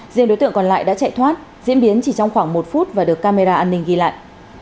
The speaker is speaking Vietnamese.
riêng đối tượng còn lại đã chạy thoát diễn biến chỉ trong khoảng một phút và được camera an ninh ghi lại